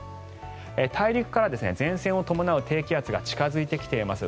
大陸から前線を伴う低気圧が近付いてきています。